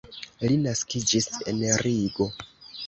Li naskiĝis en Rigo.